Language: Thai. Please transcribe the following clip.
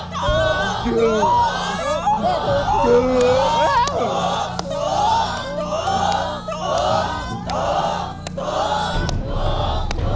ถูก